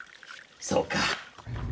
そうか。